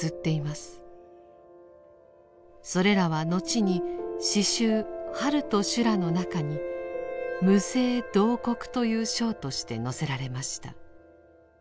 それらは後に詩集「春と修羅」の中に「無声慟哭」という章として載せられました。